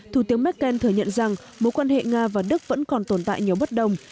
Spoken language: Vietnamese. thủ tướng merkel thừa nhận rằng mối quan hệ nga và đức vẫn còn tồn tại nhiều bất đồng